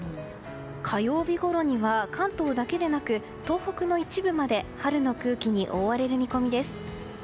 火曜日ごろには関東だけでなく東北の一部まで春の空気に覆われる見込みです。